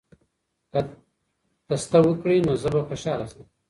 که تسته وکړې نو زه به خوشاله شم.